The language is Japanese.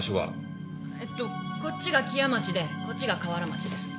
えっとこっちが木屋町でこっちが河原町です。